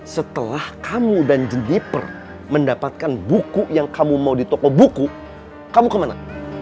setelah kamu dan giper mendapatkan buku yang kamu mau di toko buku kamu kemana